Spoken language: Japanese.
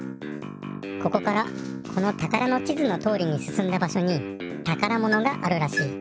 ここからこのたからの地図のとおりにすすんだばしょにたからものがあるらしい。